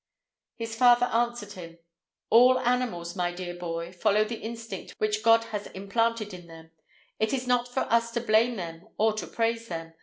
His father answered him: "All animals, my dear boy, follow the instinct which God has implanted in them; it is not for us to blame them or to praise them.